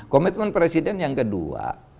komitmen presiden yang kedua